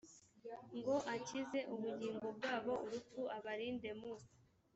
ngo akize ubugingo bwabo urupfu abarinde mu